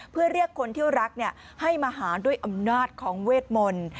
เพื่อเรียกคนที่รักให้มาหาด้วยอำนาจของเวทมนต์